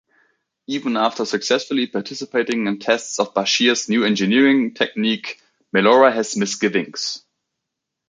Even after successfully participating in tests of Bashir's new engineering technique, Melora has misgivings.